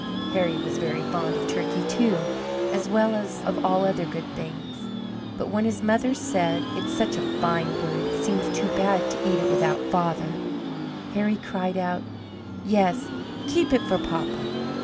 Harry was very fond of turkey, too, as well as of all other good things; but when his mother said, "It's such a fine bird, it seems too bad to eat it without father," Harry cried out, "Yes, keep it for papa!"